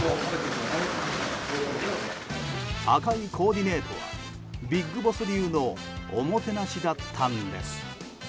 赤いコーディネートはビッグボス流のおもてなしだったんです。